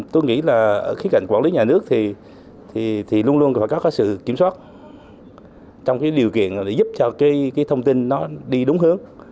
tôi nghĩ là ở khía cạnh quản lý nhà nước thì luôn luôn cần phải có cái sự kiểm soát trong cái điều kiện để giúp cho cái thông tin nó đi đúng hướng